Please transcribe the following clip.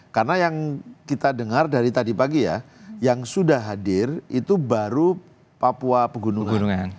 karena yang kita dengar dari tadi pagi ya yang sudah hadir itu baru papua pegunungan